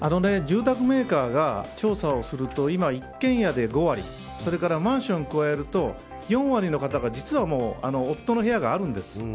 住宅メーカーが調査をすると、今、一軒家で５割それからマンション加えると４割の方が実はもう夫の部屋があるんです。